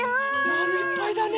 まるいっぱいだね。